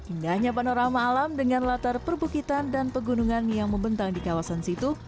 indahnya panorama alam dengan latar perbukitan dan pegunungan yang membentang di kawasan situ